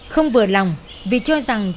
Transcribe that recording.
không vừa lòng vì cho rằng